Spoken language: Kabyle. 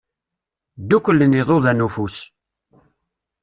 Dduklen yiḍudan n ufus.